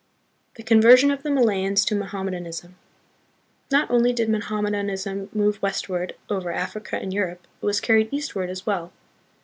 The Conversion of the Malayans to Mohammed anism. Not only did Mohammedanism move west ward over Africa and Europe, it was carried eastward as well.